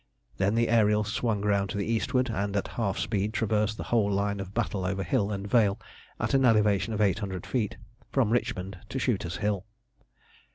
Then the Ariel swung round to the eastward, and at half speed traversed the whole line of battle over hill and vale, at an elevation of eight hundred feet, from Richmond to Shooter's Hill.